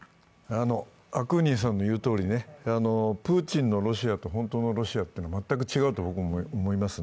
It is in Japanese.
アクーニンさんの言うとおりプーチンのロシアと本当のロシアは全く違うと僕も思います。